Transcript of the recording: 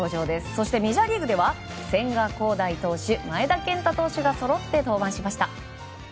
そして、メジャーリーグでは千賀滉大投手前田健太投手がそろって登板しました。